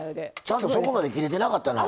ちゃんと底まで切れてなかったな。